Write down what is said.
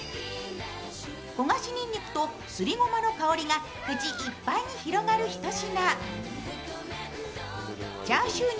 焦がしにんにくとすりごまの香りが口いっぱいに広がる一品。